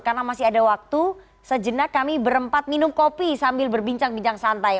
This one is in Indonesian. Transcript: karena masih ada waktu sejenak kami berempat minum kopi sambil berbincang bincang santai